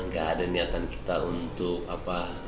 gak ada niatan kita untuk apa